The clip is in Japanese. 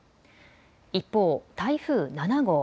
一方、台風７号。